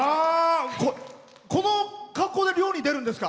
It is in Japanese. この格好で漁に出るんですか？